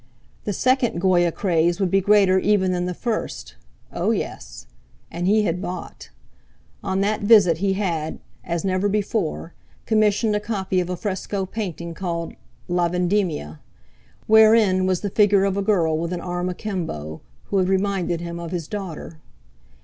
The second Goya craze would be greater even than the first; oh, yes! And he had bought. On that visit he had—as never before—commissioned a copy of a fresco painting called "La Vendimia," wherein was the figure of a girl with an arm akimbo, who had reminded him of his daughter.